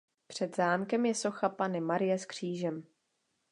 Před zámkem je socha Panny Marie s křížem.